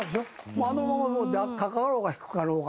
もうあのまま高かろうが低かろうが。